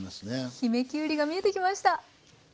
姫きゅうりが見えてきました。